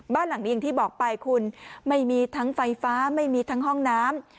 บ้านหลังนี้อย่างที่บอกไปคุณไม่มีทั้งไฟฟ้าไม่มีทั้งห้องน้ำ